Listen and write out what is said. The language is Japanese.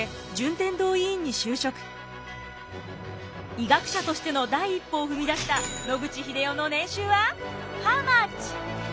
医学者としての第一歩を踏み出した野口英世の年収は？